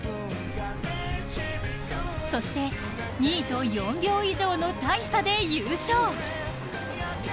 そして、２位と４秒以上の大差で優勝。